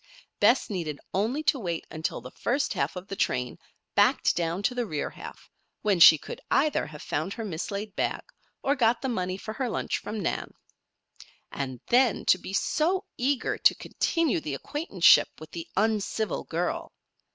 Bess needed only to wait until the first half of the train backed down to the rear half, when she could either have found her mislaid bag, or got the money for her lunch from Nan. And then to be so eager to continue the acquaintanceship with the uncivil girl!